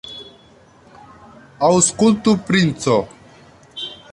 Aŭskultu, princo!